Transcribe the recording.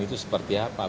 itu seperti apa